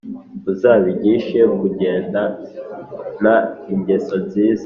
Uzabigishe kugendana ingeso nziza